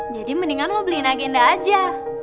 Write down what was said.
jadi mendingan lo beliin agenda aja